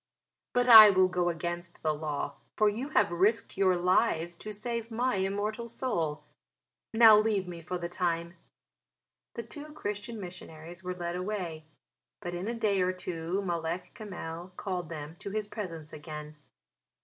But I will go against the law, for you have risked your lives to save my immortal soul. Now leave me for the time." The two Christian missionaries were led away; but in a day or two Malek Kamel called them to his presence again.